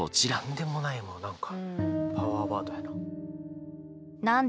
「なんでもない」も何かパワーワードやな。